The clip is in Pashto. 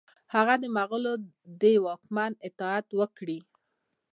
هغه د مغولو د واکمن اطاعت وکړي.